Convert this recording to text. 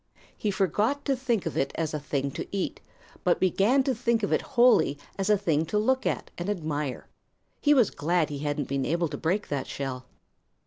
He forgot to think of it as a thing to eat, but began to think of it wholly as a thing to look at and admire. He was glad he hadn't been able to break that shell.